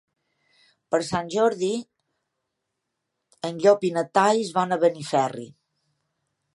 Per Sant Jordi en Llop i na Thaís van a Benferri.